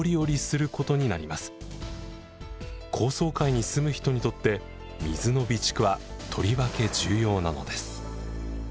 高層階に住む人にとって水の備蓄はとりわけ重要なのです。